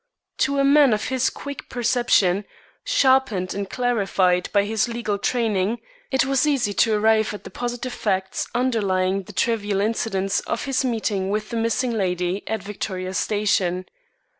To a man of his quick perception, sharpened and clarified by his legal training, it was easy to arrive at the positive facts underlying the trivial incidents of his meeting with the missing lady at Victoria Station.